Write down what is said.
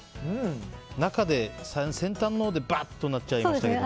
中で先端のほうでバッとなっちゃいましたけど。